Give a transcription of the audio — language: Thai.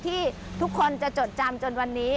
ที่ทุกคนจะจดจำจนวันนี้